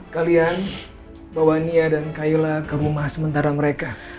kalian bawa nia dan kayla ke rumah sementara mereka